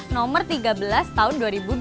nomor tiga belas tahun dua ribu dua puluh